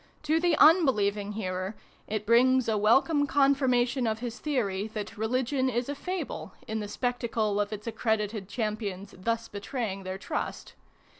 To the unbelieving hearer it brings a welcome confirmation of his theory that religion is a fable, in the spectacle of its accredited champions thus betraying their trust.